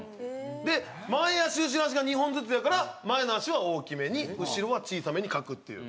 で前脚後ろ脚が２本ずつやから前の脚は大きめに後ろは小さめに描くっていう。